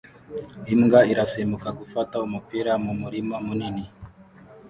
Imbwa irasimbuka gufata umupira mu murima munini